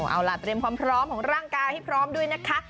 เอาล่ะเตรียมความพร้อมของร่างกายให้พร้อมด้วยนะคะ